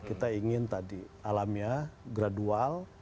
kita ingin tadi alamiah gradual